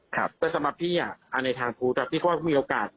แต่สำหรับพี่อันในทางทุกแต่พี่ก็ไม่มีโอกาส